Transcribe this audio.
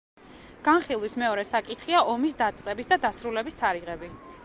განხილვის მეორე საკითხია ომის დაწყების და დასრულების თარიღები.